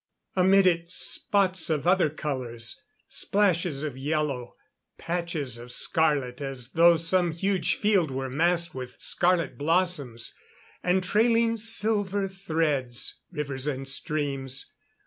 Amid it, spots of other colors; splashes of yellow; patches of scarlet as though some huge field were massed with scarlet blossoms. And trailing silver threads rivers and streams.